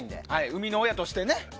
生みの親としてね。